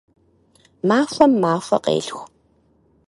Махуэм махуэ къелъху.